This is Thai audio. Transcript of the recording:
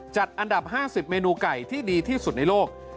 จัดอันดับ๕๐เมนูไก่ที่ดีที่สุดในโลก